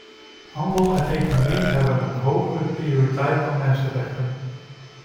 Handel en economie hebben een hogere prioriteit dan mensenrechten.